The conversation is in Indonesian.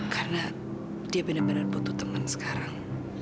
karena dia bener bener butuh teman sekarang